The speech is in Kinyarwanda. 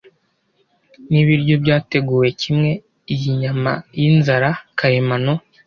Nibiryo byateguwe kimwe, iyi nyama yinzara karemano,